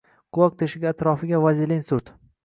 Quloq teshigi atrofiga vazelindan surt.